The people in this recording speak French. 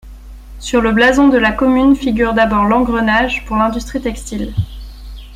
Sur le blason de la commune figure d’abord l’engrenage, pour l’industrie textile.